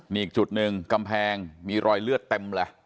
นี่อีกจุดหนึ่งกำแพงมีรอยเลือดเต็มเลย